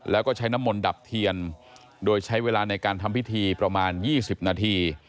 แล้วก็ใช้น้ำมนต์ดับเทียนโดยใช้เวลาในการทำพิธีประมาณ๒๐นาที